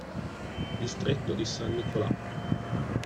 Distretto di San Nicolás